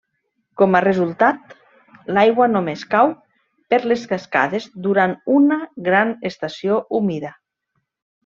Com a resultat, l'aigua només cau per les cascades durant una gran estació humida.